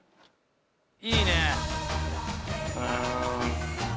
「いいね」